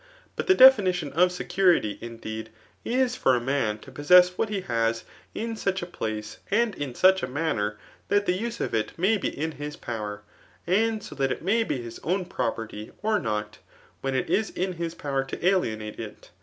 But the definition oi security, indeed, is for a man to possess what he has in such a place aad in such a manner, that the use of it may be in his power ; and so that it may be his own prc^Msrty or ncA, when it is in his power to alienate it.